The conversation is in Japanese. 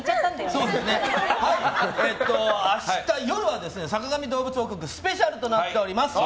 明日夜は「坂上どうぶつ王国」スペシャルとなっております。